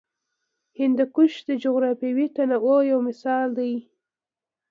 هندوکش د جغرافیوي تنوع یو مثال دی.